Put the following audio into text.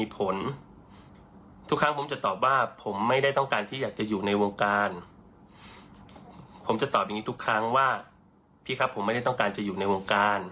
ผมจะตอบว่าผมจะตอบอย่างนี้ทุกครั้งว่าพี่ครับผมไม่ได้ต้องการจะอยู่ในวงการ